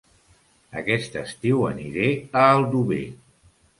Aquest estiu aniré a Aldover